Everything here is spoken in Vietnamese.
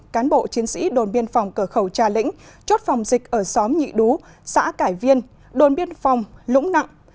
cán bộ chiến sĩ đồn biên phòng cờ khẩu trà lĩnh chốt phòng dịch ở xóm nhị đú xã cải viên đồn biên phòng lũng nặng